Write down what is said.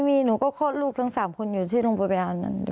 มีหนูก็คลอดลูกทั้ง๓คนอยู่ที่โรงพยาบาลนั้น